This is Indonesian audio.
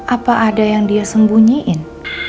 apa ada yang dia sembunyiin